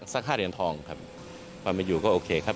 สัก๕เหรียญทองครับความเป็นอยู่ก็โอเคครับ